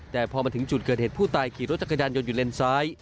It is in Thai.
แต่พอมาถึงจุดเกิดเหตุผู้ตายขี่รถจักรยานยนต์อยู่เลนซ้าย